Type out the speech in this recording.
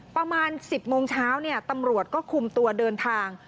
ประมาณ๑๐โมงเช้าตำรวจก็คุมตัวเดินทาง